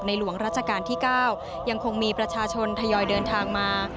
หลวงราชการที่๙ยังคงมีประชาชนทยอยเดินทางมา